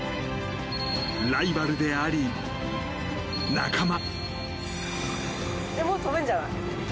ライバルであり、仲間。